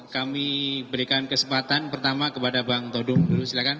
kami berikan kesempatan pertama kepada bang todung dulu silakan